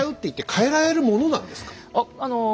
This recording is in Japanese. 変えられるものなんですね。